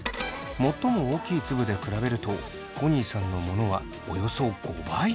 最も大きい粒で比べるとコニーさんのものはおよそ５倍。